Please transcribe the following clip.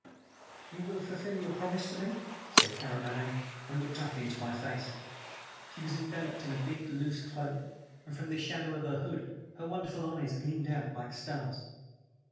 "You will fulfill your promise to me?" said Karamaneh, and looked up into my face. She was enveloped in a big, loose cloak, and from the shadow of the hood her wonderful eyes gleamed out like stars.